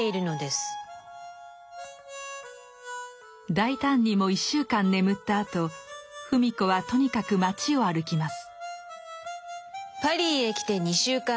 大胆にも１週間眠ったあと芙美子はとにかく街を歩きます。